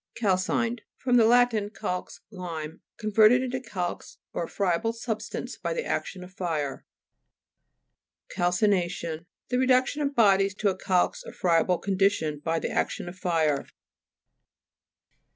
CAI/CINED fr. lat. calx, lime. Con verted into calx or a friable sub stance by the action of fire. CALCINA'TION The reduction of bodies to a calx or friable condition by the action of fire.